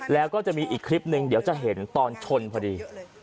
แล้วก็จะมีอีกคลิปหนึ่งเดี๋ยวจะเห็นตอนชนพอดี